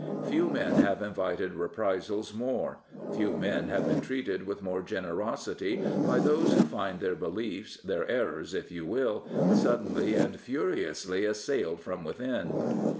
Few men have invited reprisals more; few men have been treated with more generosity by those who find their beliefs, their errors, if you will, suddenly and furiously assailed from within.